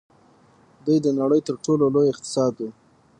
دوی د نړۍ تر ټولو لوی اقتصاد وو.